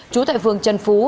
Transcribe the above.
chú tại phường trần phú